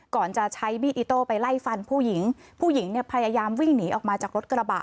ก่อนจะใช้มีดอิโต้ไปไล่ฟันผู้หญิงผู้หญิงเนี่ยพยายามวิ่งหนีออกมาจากรถกระบะ